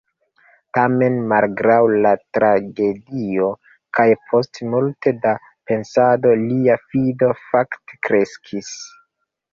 Tamen malgraŭ la tragedio, kaj post multe da pensado, lia fido, fakte, kreskis.